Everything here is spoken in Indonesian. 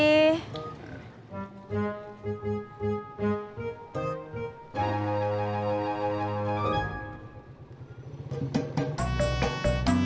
eh kok jak